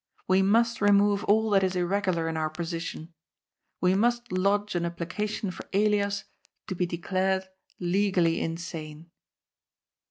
We must remove all that is irregular in our position. We must lodge an ap plication for Elias to be declared legally insane."